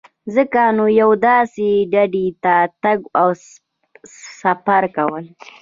ځکه نو یوې داسې ډډې ته تګ او سفر کول.